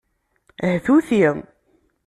Htuti.